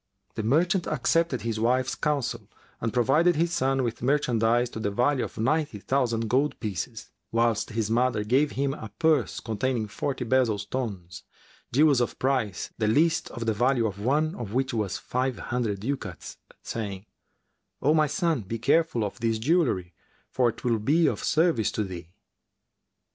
The merchant accepted his wife's counsel and provided his son with merchandise to the value of ninety thousand gold pieces, whilst his mother gave him a purse containing forty bezel stones, jewels of price, the least of the value of one of which was five hundred ducats, saying, "O my son, be careful of this jewellery for 'twill be of service to thee."